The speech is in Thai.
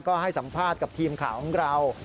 ก็ให้สัมภาษณ์กับทีมข่าวของเรา